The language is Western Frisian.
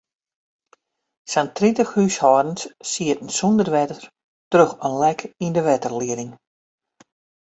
Sa'n tritich húshâldens sieten sûnder wetter troch in lek yn de wetterlieding.